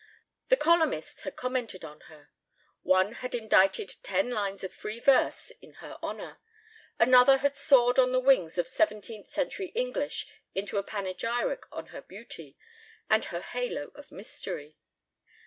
The columnists had commented on her. One had indited ten lines of free verse in her honor, another had soared on the wings of seventeenth century English into a panegyric on her beauty and her halo of mystery.